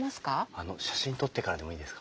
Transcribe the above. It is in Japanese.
あの写真撮ってからでもいいですか？